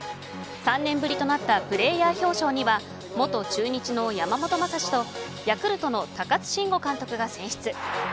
３年ぶりとなったプレーヤー表彰には元中日の山本昌氏とヤクルトの高津臣吾監督が選出。